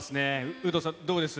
有働さん、どうです？